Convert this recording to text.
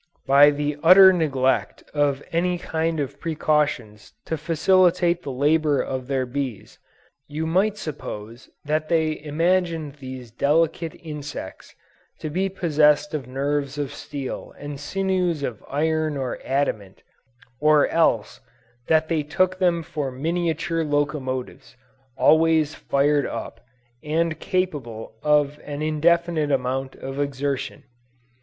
By the utter neglect of any kind of precautions to facilitate the labors of their bees, you might suppose that they imagined these delicate insects to be possessed of nerves of steel and sinews of iron or adamant; or else that they took them for miniature locomotives, always fired up and capable of an indefinite amount of exertion.